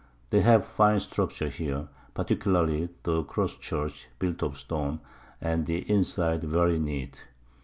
They have fine Structures here, particularly the Cross Church, built of Stone, and the inside very neat.